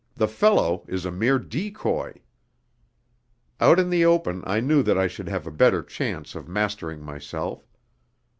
The fellow is a mere decoy!" Out in the open I knew that I should have a better chance of mastering myself.